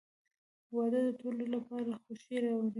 • واده د ټولو لپاره خوښي راوړي.